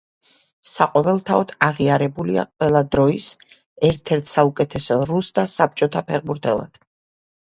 საყოველთაოდ აღიარებულია ყველა დროის ერთ-ერთ საუკეთესო რუს და საბჭოთა ფეხბურთელად.